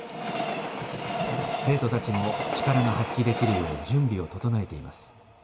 生徒たちも力が発揮できるよう準備を整えています。